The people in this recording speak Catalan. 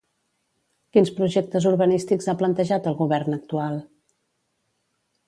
Quins projectes urbanístics ha plantejat el govern actual?